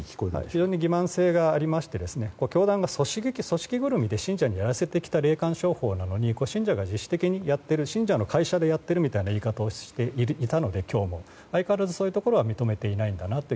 非常に欺瞞性がありまして教団が組織ぐるみで信者にやらせてきた霊感商法なのに信者が自主的にやっている信者の会社でやっているという言い方をしていたので相変わらずそういうところは認めていないんだなと。